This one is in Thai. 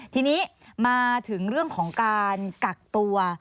ทีนี้มาถึงเรื่องของการกักตัว